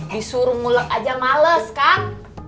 disuruh mulek aja males kan